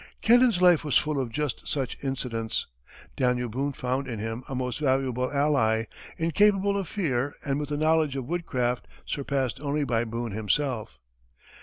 Kenton's life was full of just such incidents. Daniel Boone found in him a most valuable ally, incapable of fear and with a knowledge of woodcraft surpassed only by Boone himself.